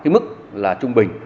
thì chúng ta ở mức trung bình